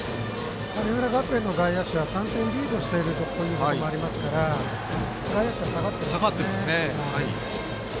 神村学園の外野手は３点リードしていることもあるので外野手は下がってますね。